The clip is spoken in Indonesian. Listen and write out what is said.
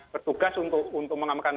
bertugas untuk mengamankan